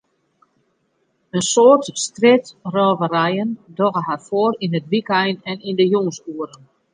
In soad strjitrôverijen dogge har foar yn it wykein en yn de jûnsoeren.